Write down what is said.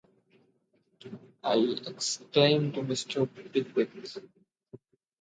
‘I!’ exclaimed Mr. Pickwick.